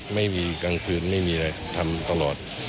ไม่มีกลางคืนไม่มีอะไรทำตลอด